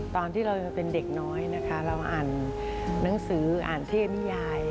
ตอนที่เรายังเป็นเด็กน้อยนะคะเราอ่านหนังสืออ่านเทพนิยาย